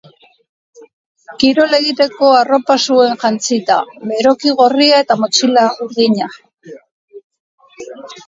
Kirola egiteko arropa zuen jantzita, beroki gorria eta motxila urdina.